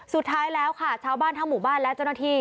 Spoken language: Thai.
สุดท้ายแล้วค่ะชาวบ้านทั้งหมู่บ้านและเจ้าหน้าที่